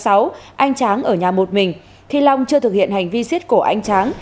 ngày hai mươi chín tháng sáu anh tráng ở nhà một mình thì long chưa thực hiện hành vi xiết cổ anh tráng